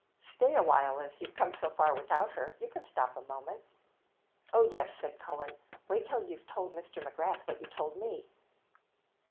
"Stay a while, as you've come so far without her, you can stop a moment." "Oh yes," said Cullen, "wait till you've told Mr. McGrath what you told me."